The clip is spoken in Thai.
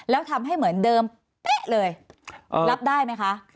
แล้วทำให้เหมือนเดิมเป๊ะเลยรับได้ไหมคะ